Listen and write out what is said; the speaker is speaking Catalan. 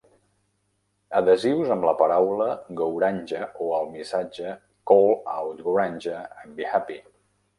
Adhesius amb la paraula 'Gouranga' o el missatge "Call out Gouranga and be happy!"